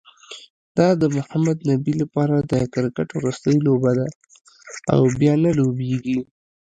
دا د محمد نبي لپاره د کرکټ وروستۍ لوبه ده، او بیا نه لوبیږي